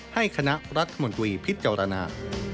ให้คณะรัฐมนตร์วิผิดเจรณา